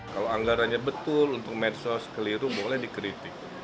kalau anggarannya betul untuk medsos keliru boleh dikritik